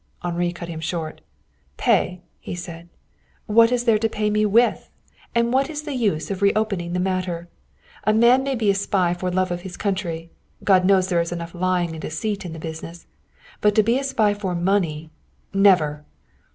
Henri cut him short. "Pay!" he said. "What is there to pay me with? And what is the use of reopening the matter? A man may be a spy for love of his country. God knows there is enough lying and deceit in the business. But to be a spy for money never!"